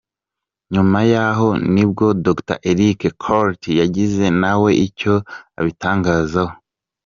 Nyuma yaho nibwo Dr Eric Corty yagize nawe icyo abitangazaho.